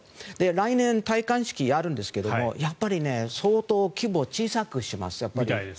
来年、戴冠式をやるんですがやっぱり相当規模を小さくします。